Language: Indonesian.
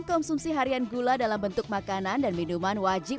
konsumsi harian gula dalam bentuk makanan dan minuman wajib